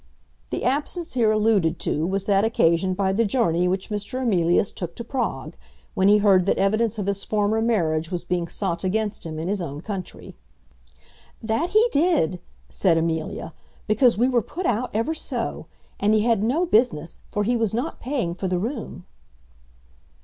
The absence here alluded to was that occasioned by the journey which Mr. Emilius took to Prague, when he heard that evidence of his former marriage was being sought against him in his own country. "That he did," said Amelia, "because we were put out ever so. And he had no business, for he was not paying for the room."